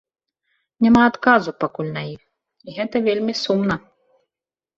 Няма адказу пакуль на іх, і гэта вельмі сумна.